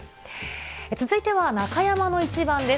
続いては中山のイチバンです。